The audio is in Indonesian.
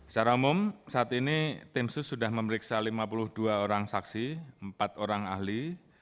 secara umum saat ini tim sus sudah memeriksa lima puluh dua orang saksi empat orang ahli